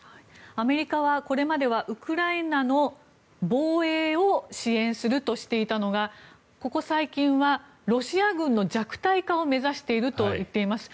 アメリカはこれまではウクライナの防衛を支援するとしていたのがここ最近はロシア軍の弱体化を目指していると言っています。